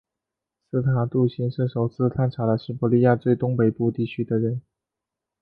斯塔杜欣是首次探查了西伯利亚最东北部地区的人。